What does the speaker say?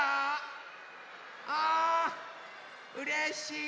あうれしい！